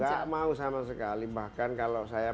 gak mau sama sekali bahkan kalau saya